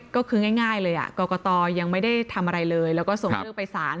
ก็คือง่ายเลยกรกตยังไม่ได้ทำอะไรเลยแล้วก็ส่งเรื่องไปสาร